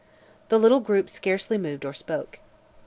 The little group scarcely moved or spoke.